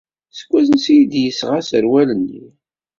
Seg wansi ay d-yesɣa aserwal-nni?